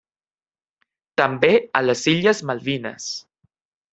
També a les illes Malvines.